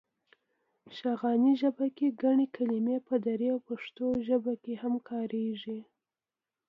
شغناني ژبه کې ګڼې کلمې په دري او پښتو کې هم کارېږي.